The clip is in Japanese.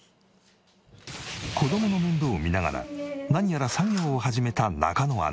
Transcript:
子どもの面倒を見ながら何やら作業を始めた中野アナ。